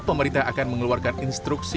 pemerintah akan mengeluarkan instruksi